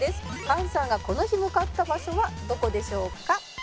「菅さんがこの日向かった場所はどこでしょうか？」